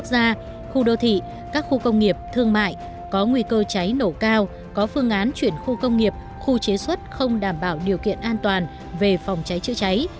các cơ sở có nguy cơ cháy nổ cao có phương án chuyển khu công nghiệp khu chế xuất không đảm bảo điều kiện an toàn về phòng cháy chữa cháy